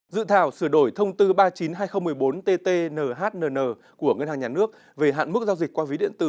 dự thảo sửa đổi thông tư ba trăm chín mươi hai nghìn một mươi bốn ttnhnn của ngân hàng nhà nước về hạn mức giao dịch qua ví điện tử